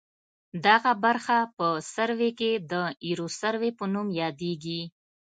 دغه برخه په سروې کې د ایروسروې په نوم یادیږي